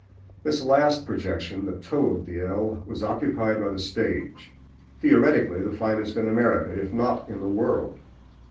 This last projection, the toe of the L, was occupied by the stage, theoretically the finest in America, if not in the world.